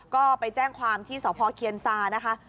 ก็ไปแจ้งความที่สพเคียนซานะคะ